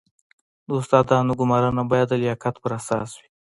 د استادانو ګمارنه باید د لیاقت پر اساس وي